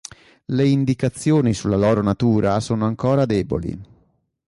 Le indicazioni sulla loro natura sono ancora deboli.